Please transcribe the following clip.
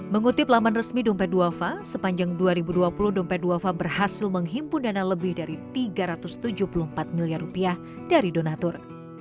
mengutip laman resmi dompet duafa sepanjang dua ribu dua puluh dompet duafa berhasil menghimpun dana lebih dari tiga ratus tujuh puluh empat miliar rupiah dari donatur